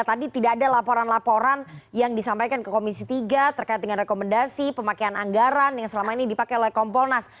tadi tidak ada laporan laporan yang disampaikan ke komisi tiga terkait dengan rekomendasi pemakaian anggaran yang selama ini dipakai oleh kompolnas